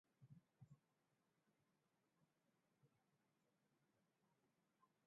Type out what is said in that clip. Wanaongeza muda wa operesheni zao za kijeshi katika awamu ya tatu, kwa sababu tishio hilo halijatokomezwa.